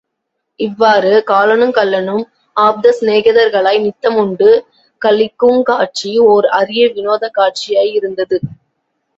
இவ்வாறு, காலனுங் கள்ளனும் ஆப்த சிநேகிதர்களாய் நித்தம் உண்டு களிக்குங் காட்சி ஒர் அரிய விநோதக் காட்சியா யிருந்தது.